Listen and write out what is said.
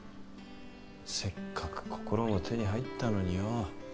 せっかく心も手に入ったのによう。